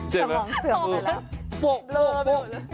เจ็บล้ะโปะโปะโปะ